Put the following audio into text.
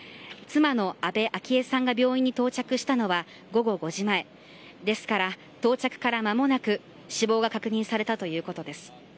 妻の安倍昭恵さんが病院に到着したのは午後５時前ですから、到着から間もなく死亡が確認されたということです。